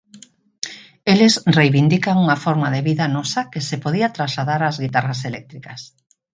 Eles reivindican unha forma de vida nosa que se podía trasladar ás guitarras eléctricas.